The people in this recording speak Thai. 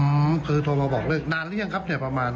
อืมคือโทรมาบอกเลิกนานหรือยังครับเนี่ยประมาณ